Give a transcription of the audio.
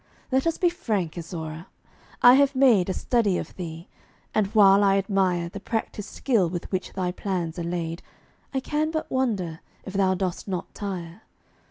Let us be frank, Isaura. I have made A study of thee; and while I admire The practised skill with which thy plans are laid, I can but wonder if thou dost not tire.